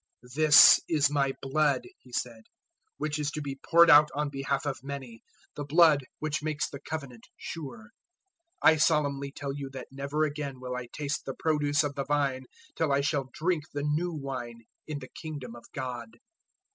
014:024 "This is my blood," He said, "which is to be poured out on behalf of many the blood which makes the Covenant sure. 014:025 I solemnly tell you that never again will I taste the produce of the vine till I shall drink the new wine in the Kingdom of God."